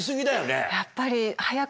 やっぱり。